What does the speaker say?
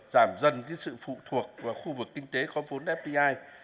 giảm dần sự phụ thuộc vào khu vực kinh tế có vốn fdi